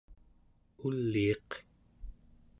uliiq